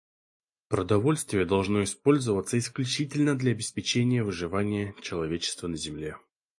Продовольствие должно использоваться исключительно для обеспечения выживания человечества на Земле.